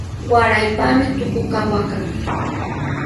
Waraypami tukuqa waqan.